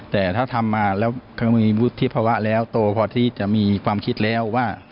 แต่ถ้าทำมาแล้วเขามีวุฒิภาวะแล้วโตพอที่จะมีความคิดแล้วว่า